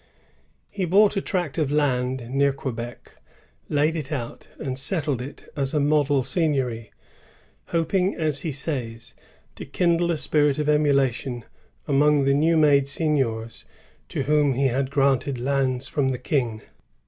^ He bought a tract of land near Quebec, laid it out, and settled it as a model seigniory, hoping, as he says, to kindle a spirit of emulation among the new made seigniors to whom he had granted lands from the King.